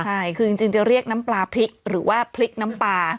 ใช่คือจริงจะเรียกน้ำปลาพริกหรือว่าพริกน้ำปลา